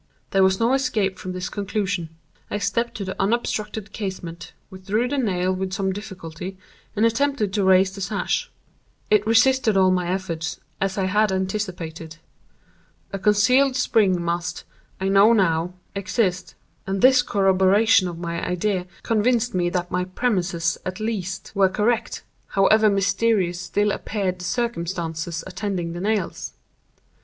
There was no escape from this conclusion. I stepped to the unobstructed casement, withdrew the nail with some difficulty and attempted to raise the sash. It resisted all my efforts, as I had anticipated. A concealed spring must, I now know, exist; and this corroboration of my idea convinced me that my premises at least, were correct, however mysterious still appeared the circumstances attending the nails.